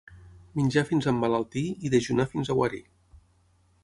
Menjar fins a emmalaltir i dejunar fins a guarir.